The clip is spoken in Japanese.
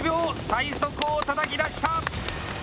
最速をたたき出した！